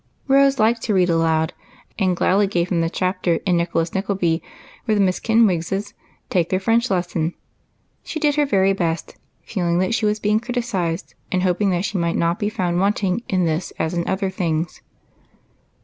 Rose liked to read aloud, and gladly gave him the chapter in "Nicholas Nickleby" where the Miss Ken wigses take their French lesson. She did her very best, feeling that she was being criticised, and hoping that she might not be found wanting in this as in other things.